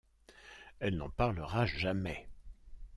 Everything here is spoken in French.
Elle n'en parlera jamais.